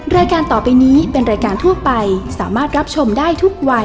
รายการต่อไปนี้เป็นรายการทั่วไปสามารถรับชมได้ทุกวัย